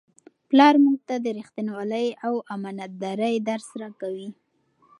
پلار موږ ته د رښتینولۍ او امانتدارۍ درس راکوي.